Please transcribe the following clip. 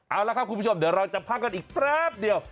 เอาละครับคุณผู้ชมเดี๋ยวเราจะพักกันอีกแป๊บเดียว